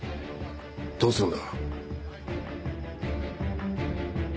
どうするんだ。